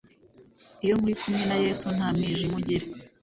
Iyo muri kumwe na yesu ntamwijima ugira